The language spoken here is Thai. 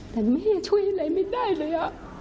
แต่แม่ช่วยอะไรไม่ได้เลย